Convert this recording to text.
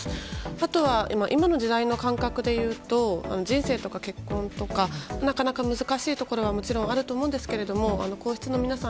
あとは今の時代の感覚で言うと人生とか結婚とかなかなか難しいところはもちろんあると思うんですけども皇室の皆さん